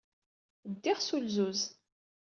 Ddiɣ s ulzuz.